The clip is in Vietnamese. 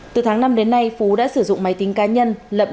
từ tháng năm đến nay phú đã sử dụng máy tính cá nhân lậm